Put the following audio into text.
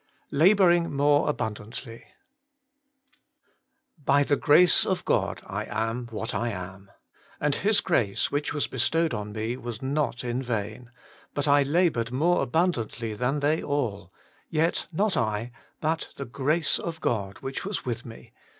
AAVl XabourtrtG more Bbunbantl^ ' By the grace of God I am what I am : and His grace which was bestowed on me was not in vain; but I laboured more abundantly than they all : yet not I , but the grace of God which was with me.'